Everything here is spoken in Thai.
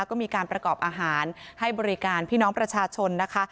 ก็มีการประกอบอาหารให้บริการพี่น้องประชาชนนะคะ